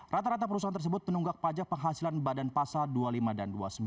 rata rata perusahaan tersebut penunggak pajak penghasilan badan pasa dua puluh lima dan dua puluh sembilan